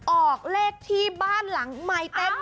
ออกเลขที่บ้านหลังไมเต็น